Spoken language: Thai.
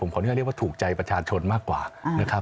ผมควรเรียกว่าถูกใจประชาชนมากกว่านะครับ